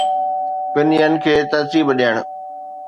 پن ين کي ترتيب ڏيڻ